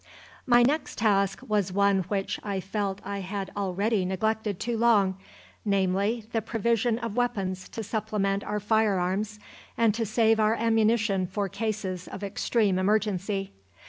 My next task was one which I felt I had already neglected too long, namely, the provision of weapons to supplement our firearms, and so save our ammunition for cases of extreme emergency.